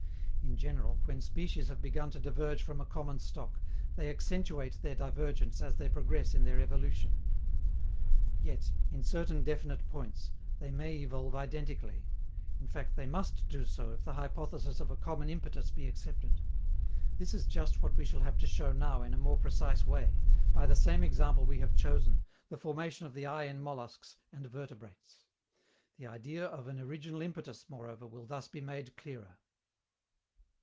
In general, when species have begun to diverge from a common stock, they accentuate their divergence as they progress in their evolution. Yet, in certain definite points, they may evolve identically; in fact, they must do so if the hypothesis of a common impetus be accepted. This is just what we shall have to show now in a more precise way, by the same example we have chosen, the formation of the eye in molluscs and vertebrates. The idea of an "original impetus," moreover, will thus be made clearer.